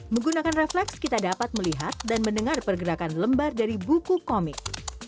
menggunakan refleks kita dapat melihat dan mendengar pergerakan lembar dari buku komik